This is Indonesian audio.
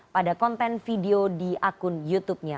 pada konten video di akun youtube nya